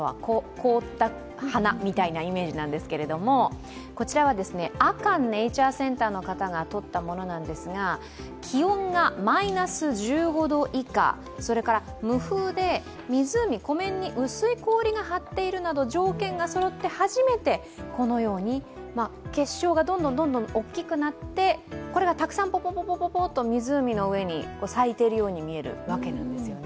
凍った花みたいなイメージなんですけどこちらは阿寒ネイチャーセンターの方が撮ったものですが気温がマイナス１５度以下、無風で湖湖面に薄い氷が張っているなど条件がそろって初めて、このように結晶がどんどん大きくなってこれがたくさんぽこぽこと湖の上に咲いているように見えるわけですね。